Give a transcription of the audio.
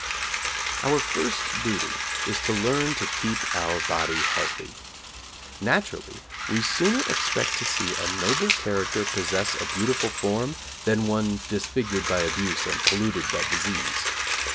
Our first duty is to learn to keep our body healthy. Naturally, we sooner expect to see a noble character possess a beautiful form than one disfigured by abuse and polluted by disease.